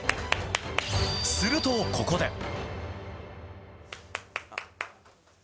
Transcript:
すると、ここで。